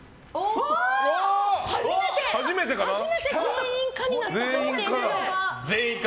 初めて全員可になった。